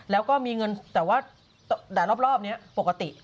แล้วแดดรอบเนี่ยปกติ